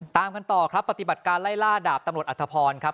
ตามกันต่อครับปฏิบัติการไล่ล่าดาบตำรวจอัธพรครับ